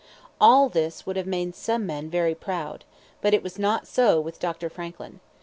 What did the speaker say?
All this would have made some men very proud. But it was not so with Dr. Franklin.